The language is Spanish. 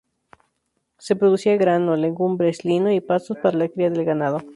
Se producía grano, legumbres, lino y pastos para la cría del ganado.